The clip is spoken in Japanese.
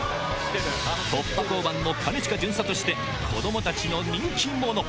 突破交番の兼近巡査として、子どもたちの人気者。